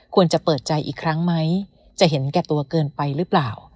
ควรจะเปิดใจอีกครั้งไหมจะเห็นแก่ตัวเกินไปหรือเปล่า